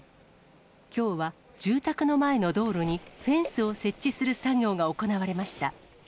きょうは住宅の前の道路にフェンスを設置する作業が行われました。